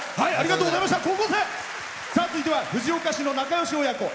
続いては藤岡市の仲よし親子。